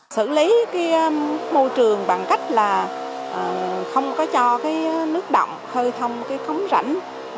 sử lý môi trường bằng cách là không có cho nước động hơi thông khống rảnh